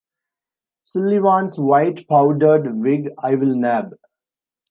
Sullivan's white powdered wig I'll nab.